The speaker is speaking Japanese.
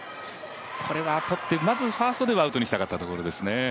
これはとってまずファーストではアウトにしたかったところですね。